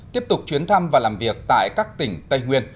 tiếp tục chuyến thăm và làm việc tại các tỉnh tây nguyên